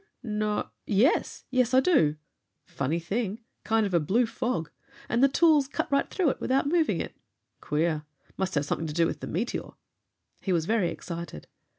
No.... Yes. Yes, I do! Funny thing. Kind of a blue fog. And the tools cut right through it without moving it! Queer! Must have something to do with the meteor!" He was very excited.